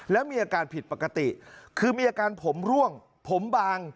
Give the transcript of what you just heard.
แล้วมีอาการผิดปกติคือมีอาการผมร่วงผมบาง